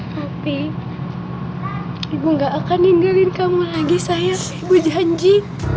tapi ibu nggak akan ninggalin kamu lagi sayang ibu janji